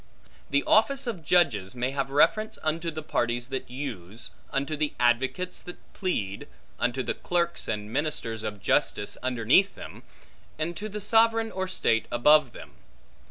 The office of judges may have reference unto the parties that use, unto the advocates that plead, unto the clerks and ministers of justice underneath them, and to the sovereign or state above them.